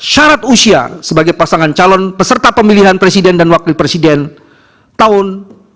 syarat usia sebagai pasangan calon peserta pemilihan presiden dan wakil presiden tahun dua ribu sembilan belas